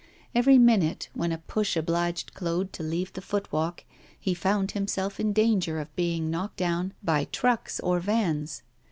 Every minute, when a push obliged Claude to leave the footwalk, he found himself in danger of being knocked down by trucks or vans.